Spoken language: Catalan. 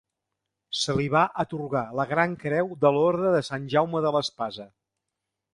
Se li va atorgar la gran creu de l'Orde de Sant Jaume de l'Espasa.